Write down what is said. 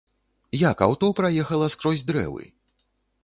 Як аўто праехала скрозь дрэвы?